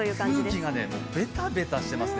空気がベタベタしてますね。